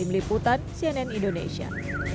tim liputan cnn indonesia